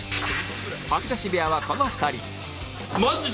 吐き出し部屋はこの２人